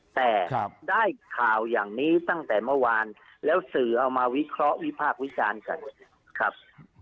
แต่ได้ข่าวอย่างนี้ตั้งแต่เมื่อวานแล้วสื่อเอามาวิเคราะห์วิพากษ์วิจารณ์กันครับ